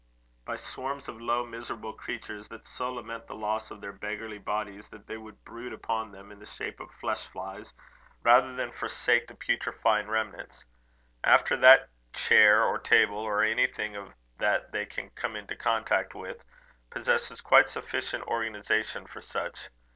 "By swarms of low miserable creatures that so lament the loss of their beggarly bodies that they would brood upon them in the shape of flesh flies, rather than forsake the putrifying remnants. After that, chair or table or anything that they can come into contact with, possesses quite sufficient organization for such.